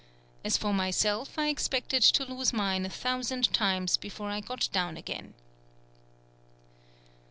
As for myself I expected to lose mine a thousand times before I got down again."